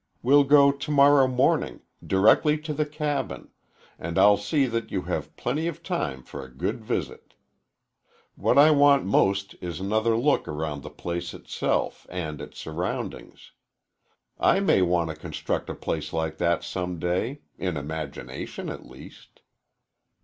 We'll go to morrow morning directly to the cabin and I'll see that you have plenty of time for a good visit. What I want most is another look around the place itself and its surroundings. I may want to construct a place like that some day in imagination, at least."